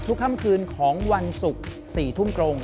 ค่ำคืนของวันศุกร์๔ทุ่มตรง